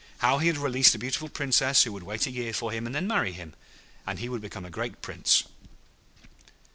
How he had released a beautiful Princess, who would wait a year for him and then marry him, and he would become a great Prince.